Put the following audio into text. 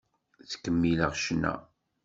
Ttkemmileɣ ccna.